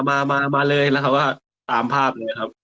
มามาเลยแล้วเขาก็ตามภาพเลยครับ